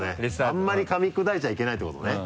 あんまりかみ砕いちゃいけないってことね。